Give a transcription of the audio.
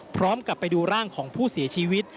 กลับไปดูร่างของผู้เสียชีวิต